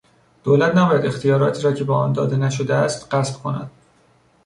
دولت نباید اختیاراتی را که به آن داده نشده است غصب کند.